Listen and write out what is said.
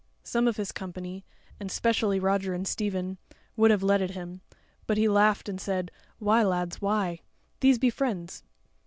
Some of his company, and specially Roger and Stephen, would have letted him; but he laughed and said, "Why, lads, why? these be friends."